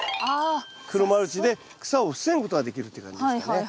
黒マルチで草を防ぐことができるっていう感じですかね。